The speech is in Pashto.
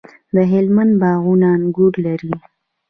د هلمند باغونه انګور لري.